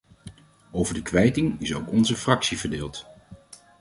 Over de kwijting is ook onze fractie verdeeld.